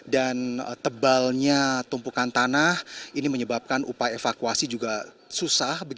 dan tebalnya tumpukan tanah ini menyebabkan upaya evakuasi juga susah